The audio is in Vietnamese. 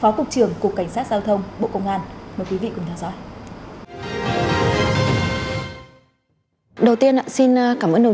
phó cục trưởng của cảnh sát giao thông bộ công an mời quý vị cùng theo dõi đầu tiên xin cảm ơn đồng